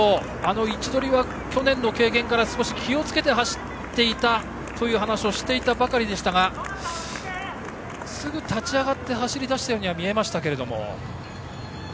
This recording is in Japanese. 位置取りは去年の経験から少し気をつけて走っていたという話をしていたばかりでしたがすぐ立ち上がって走り出したようには見えましたけれども。